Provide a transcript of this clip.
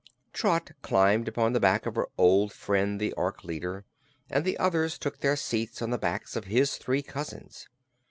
Trot climbed upon the back of her old friend, the Ork leader, and the others took their seats on the backs of his three cousins.